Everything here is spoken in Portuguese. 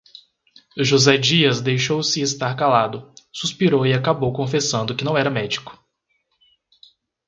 José Dias deixou-se estar calado, suspirou e acabou confessando que não era médico.